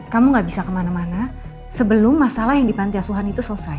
kamu gak bisa kemana mana sebelum masalah yang di pantiasuhan itu selesai